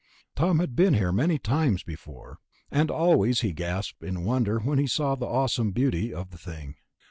Tom had been here many times before, and always he gasped in wonder when he saw the awesome beauty of the thing.